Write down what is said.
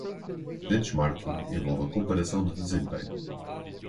Benchmarking envolve a comparação de desempenho.